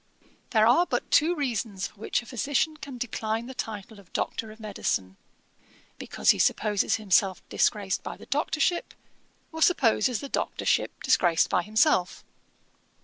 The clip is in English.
'There are but two reasons for which a physician can decline the title of Doctor of Medicine, because he supposes himself disgraced by the doctorship, or supposes the doctorship disgraced by himself.